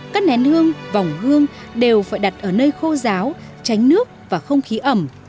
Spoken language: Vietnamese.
các nén hương vòng hương đều phải đặt ở nơi khô giáo tránh nước và không khí ẩm